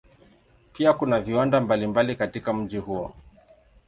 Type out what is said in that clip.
Pia kuna viwanda mbalimbali katika mji huo.